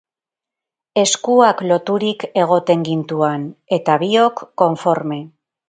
Eskuak loturik egoten gintuan, eta biok konforme.